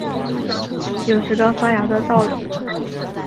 有时刚发芽的稻子